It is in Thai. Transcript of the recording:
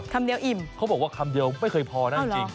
คำเดียวอิ่มเขาบอกว่าคำเดียวไม่เคยพอนะจริง